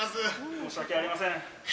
申し訳ありません。